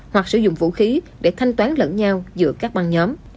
hoặc sử dụng vũ khí để thanh toán lẫn nhau giữa các băng nhóm